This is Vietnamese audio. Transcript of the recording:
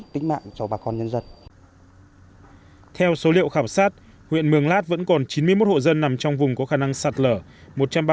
theo số liệu khảo sát huyện mương lát vẫn còn chín mươi một hộ dân nằm trong vùng có khả năng sạt lở